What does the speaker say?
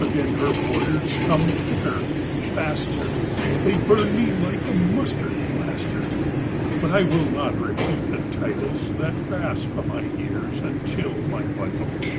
Again her words come thicker, faster, They burn me like a mustard plaster. But I will not repeat the titles That rasp my ears and chill my vitals.